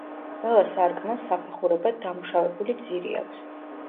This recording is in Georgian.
ყველა სარკმელს საფეხურებად დამუშავებული ძირი აქვს.